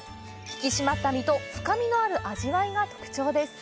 引き締まった身と深みのある味わいが特徴です。